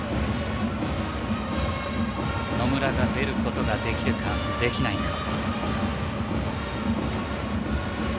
野村が出ることができるかできないか。